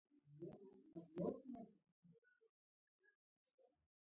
موقته نقده ګټه ترلاسه کوي.